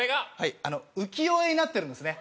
浮世絵になってるんですね。